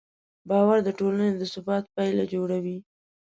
باور د ټولنې د ثبات پله جوړوي.